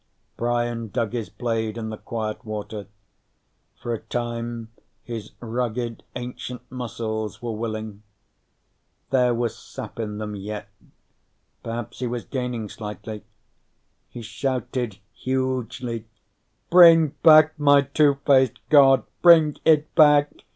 Brian dug his blade in the quiet water. For a time, his rugged ancient muscles were willing. There was sap in them yet. Perhaps he was gaining slightly. He shouted hugely: "Bring back my two faced god! Bring it back!